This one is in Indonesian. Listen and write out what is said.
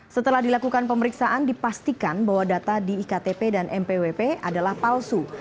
setelah dilakukan pemeriksaan dipastikan bahwa data di iktp dan mpwp adalah palsu